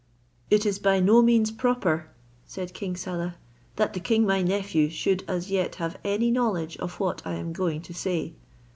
"It is by no means proper," replied King Saleh, "that the king my nephew should as yet have any knowledge of what I am going to say.